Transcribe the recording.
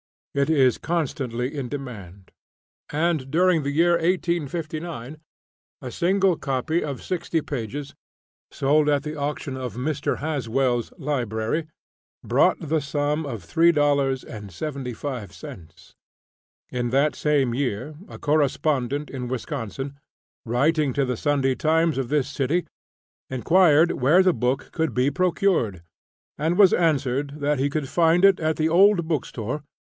It is constantly in demand; and, during the year 1859, a single copy of sixty pages, sold at the auction of Mr. Haswell's library, brought the sum of $3,75. In that same year, a correspondent, in Wisconsin, writing to the "Sunday Times" of this city, inquired where the book could be procured, and was answered that he could find it at the old bookstore, No.